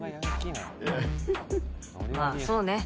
まあ、そうね。